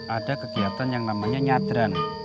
ada kegiatan yang namanya nyadran